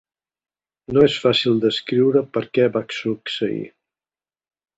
No és fàcil descriure per què va succeir.